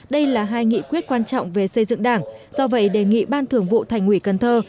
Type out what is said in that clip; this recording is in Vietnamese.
đây là hai nghị quyết quan trọng về xây dựng đảng do vậy đề nghị ban thường vụ thành ủy cần thơ